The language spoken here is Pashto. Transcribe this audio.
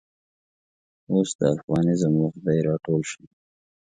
اوس دافغانیزم وخت دی راټول شئ